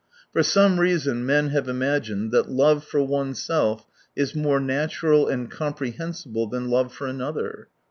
For some reason men have imagined that love for oneself is more natural and comprehensible than love for another.